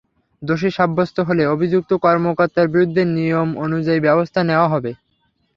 দোষী সাব্যস্ত হলে অভিযুক্ত কর্মকর্তার বিরুদ্ধে নিয়ম অনুযায়ী ব্যবস্থা নেওয়া হবে।